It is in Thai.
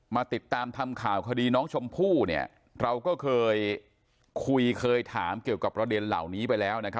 มาติดตามทำข่าวคดีน้องชมพู่เนี่ยเราก็เคยคุยเคยถามเกี่ยวกับประเด็นเหล่านี้ไปแล้วนะครับ